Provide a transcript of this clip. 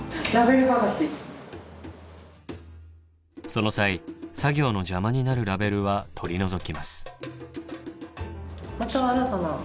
その際作業の邪魔になるラベルは取り除きます。